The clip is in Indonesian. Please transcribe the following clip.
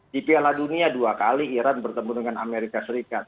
di piala dunia dua kali iran bertemu dengan amerika serikat